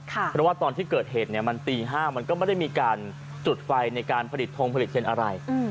เพราะว่าตอนที่เกิดเหตุมันตี๕มันก็ไม่ได้มีการจุดไฟในการผลิตทงผลิตเทียนอะไร